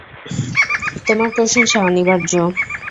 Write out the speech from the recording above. তোমার প্রশংসা অনিবার্য।